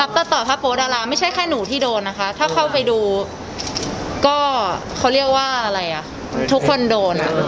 ตัดต่อผ้าโป๊ดาราไม่ใช่แค่หนูที่โดนนะคะถ้าเข้าไปดูก็เขาเรียกว่าอะไรอ่ะทุกคนโดน